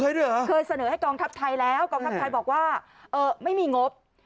เคยเสนอให้กองทัพไทยแล้วกองทัพไทยบอกว่าไม่มีงบ